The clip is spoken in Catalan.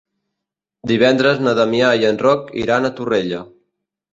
Divendres na Damià i en Roc iran a Torrella.